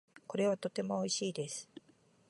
これはとても美味しいです。